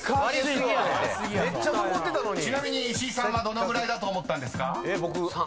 ［ちなみに石井さんはどのぐらいだと思ったんですか］